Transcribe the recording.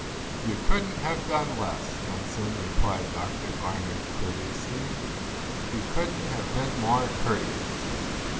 "You couldn't have done less, Ensign," replied Dr. Barnard, courteously. "You couldn't have been more courteous."